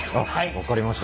分かりました。